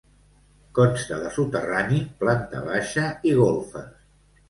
Consta de soterrani, planta baixa i golfes.